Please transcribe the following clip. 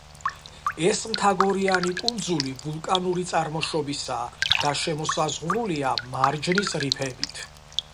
ეს მთაგორიანი კუნძული ვულკანური წარმოშობისაა და შემოსაზღვრულია მარჯნის რიფებით.